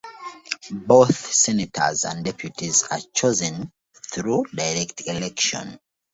Both senators and deputies are chosen through direct election.